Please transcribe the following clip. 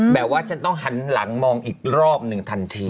แบบว่าฉันต้องหันหลังมองอีกรอบหนึ่งทันที